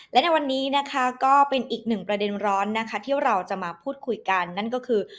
และในวันนี้นะคะก็เป็นอีกหนึ่งประเด็นร้อนนะคะที่เราจะมาพูดคุยกันนั่นก็คือ